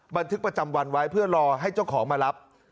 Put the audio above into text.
บันทึกประจำวันไว้เพื่อรอให้เจ้าของมารับ